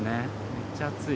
めっちゃ暑い。